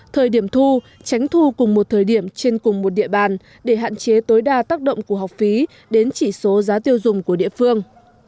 thời điểm thu tránh thu cùng một thời điểm trên cùng một địa bàn để hạn chế tối đa tác động của học phí đến chỉ số giá tiêu dùng của địa phương